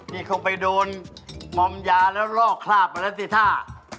นี่คงไปโดนมอมยาแล้วลอกคราบมาแล้วสิท่า